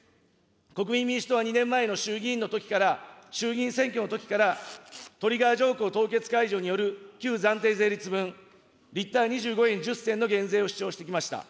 国民民主党は２年前の衆議院議員のときから、衆議院選挙のときから、トリガー条項凍結解除による旧暫定税率分、リッター２５円１０銭の減税を主張してきました。